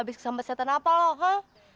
abis kesambet setan apa lo ha